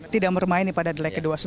tidak bermain nih pada gelai kedua